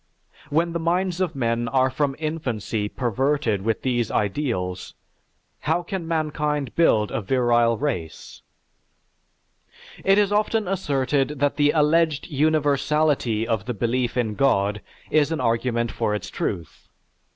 When the minds of men are from infancy perverted with these ideals, how can mankind build a virile race? It is often asserted that the alleged universality of the belief in God is an argument for its truth.